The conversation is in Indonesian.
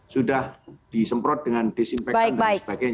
sudah disemprot dengan disinfektan dan sebagainya